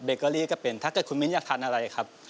เกอรี่ก็เป็นถ้าเกิดคุณมิ้นอยากทานอะไรครับ